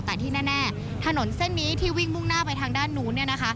แต่ที่แน่ถนนเส้นนี้ที่วิ่งมุ่งหน้าไปทางด้านนู้น